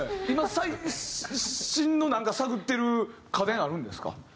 今最新のなんか探ってる家電あるんですか？